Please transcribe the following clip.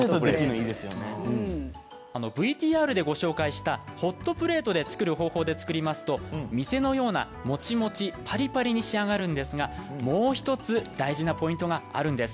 ＶＴＲで紹介したホットプレートで作る方法で作りますと店のようなもちもちパリパリに仕上がるんですがもう１つ大事なポイントがあるんです。